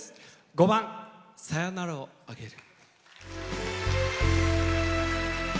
５番「サヨナラをあげる」。